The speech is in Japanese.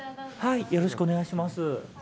よろしくお願いします。